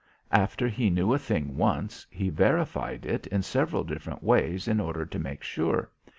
After he knew a thing once, he verified it in several different ways in order to make sure.